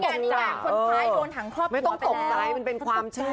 คุณซ้ายโดนถังครอบหัวไปแล้วไม่ต้องตกใจมันเป็นความเชื่อ